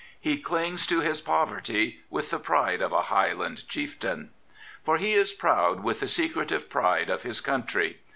He clings to his poverty with the pride of a Highland chieftain. For he is proud with the secretive pride of his country.